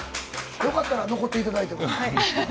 よかったら残っていただいても。